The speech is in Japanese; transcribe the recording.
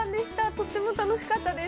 とっても楽しかったです。